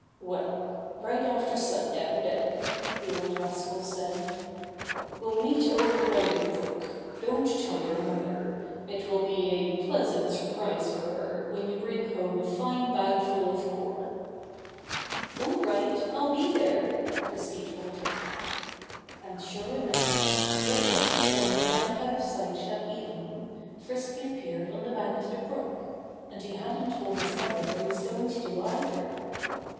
"Well right after sundown, then," the old rascal said. "We'll meet over by the brook. Don't tell your mother. It will be a pleasant surprise for her, when you bring home a fine bagful of corn." "All right! I'll be there," Frisky told him. And sure enough! Just as the sun sank out of sight that evening, Frisky appeared on the bank of the brook. And he hadn't told his mother what he was going to do, either.